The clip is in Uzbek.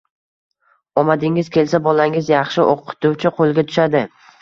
– omadingiz kelsa, bolangiz yaxshi o‘qituvchi qo‘liga tushadi